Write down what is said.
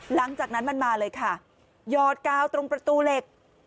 หลังจากนั้นมันมาเลยค่ะหยอดกาวตรงประตูเหล็ก